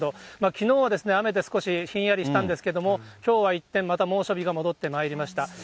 きのうは雨で少しひんやりしたんですけど、きょうは一転、猛暑日が戻ってまいりました。